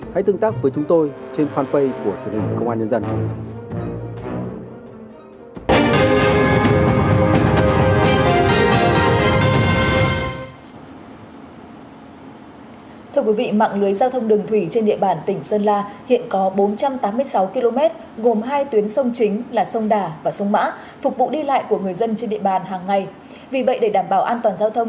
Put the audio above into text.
hãy tương tác với chúng tôi trên fanpage của chủ nhật công an nhân dân